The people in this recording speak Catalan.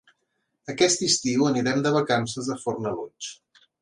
Aquest estiu anirem de vacances a Fornalutx.